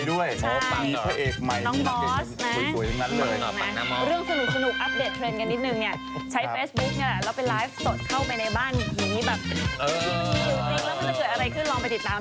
เรื่องสนุกอัพเดทเทรนด์กันนิดนึงเนี่ยใช้เฟสบุ๊คเนี่ยแล้วไปไลฟ์สดเข้าไปในบ้านผีแบบแล้วมันจะเกิดอะไรขึ้นลองไปติดตามนะ